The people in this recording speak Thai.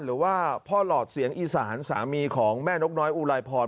หรือว่าพ่อหลอดเสียงอีสานสามีของแม่นกน้อยอุลายพร